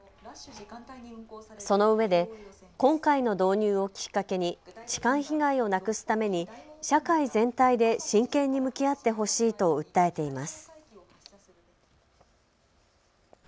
そのうえで今回の導入をきっかけに痴漢被害をなくすために社会全体で真剣に向き合ってほしいと訴えています。